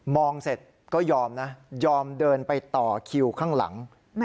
เสร็จก็ยอมนะยอมเดินไปต่อคิวข้างหลัง